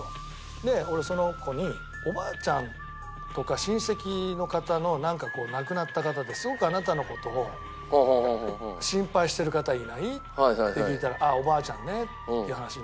で俺その子に「おばあちゃんとか親戚の方のなんかこう亡くなった方ですごくあなたの事を心配してる方いない？」って聞いたら「ああおばあちゃんね」っていう話になって。